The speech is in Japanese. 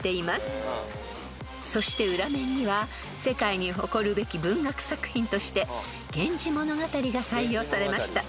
［そして裏面には世界に誇るべき文学作品として『源氏物語』が採用されました］